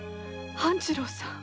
半次郎さん。